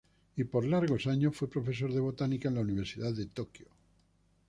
Y por largos años fue profesor de botánica en la Universidad de Tokio.